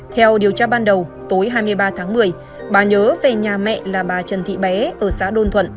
theo điều tra ban đầu tối hai mươi ba tháng một mươi bà nhớ về nhà mẹ là bà trần thị bé ở xã đôn thuận